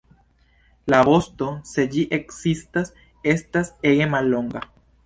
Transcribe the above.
La vosto, se ĝi ekzistas, estas ege mallonga.